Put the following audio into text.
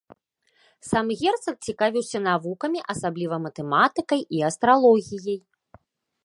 Сам герцаг цікавіўся навукамі, асабліва матэматыкай і астралогіяй.